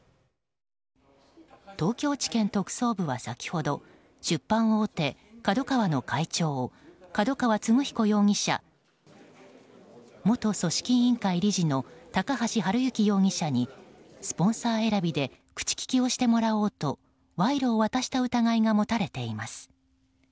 東京地検特捜部は先ほど出版大手ＫＡＤＯＫＡＷＡの会長角川歴彦容疑者元組織委員会理事の高橋治之容疑者にスポンサー選びで口利きをしてもらおうと賄賂を渡した疑いが持たれています。